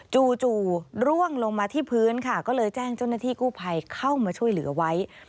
จู่ร่วงลงมาที่พื้นค่ะก็เลยแจ้งเจ้าหน้าที่กู้ภัยเข้ามาช่วยเหลือไว้